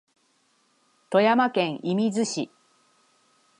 富山県射水市